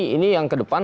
ini yang ke depan